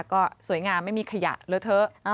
ก็สวยงามไม่มีขยะเลอะเถอะ